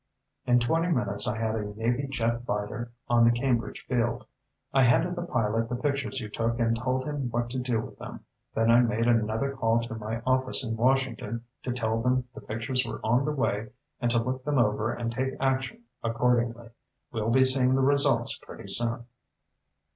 In twenty minutes I had a Navy jet fighter on the Cambridge field. I handed the pilot the pictures you took and told him what to do with them, then I made another call to my office in Washington to tell them the pictures were on the way and to look them over and take action accordingly. We'll be seeing the results pretty soon."